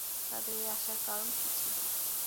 তাঁদের এ আসার কারণ কী ছিল?